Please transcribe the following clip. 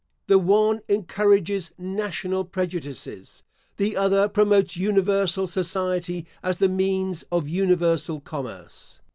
The one encourages national prejudices; the other promotes universal society, as the means of universal commerce.